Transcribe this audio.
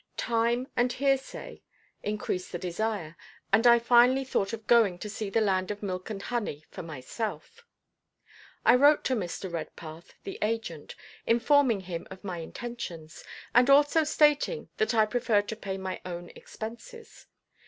Time and heresay increased the desire, and I finally thought of going to see the land of milk and honey for myself. I wrote to Mr. Redpath, the agent, informing him of my intentions, and also stating that I preferred to pay my own expenses.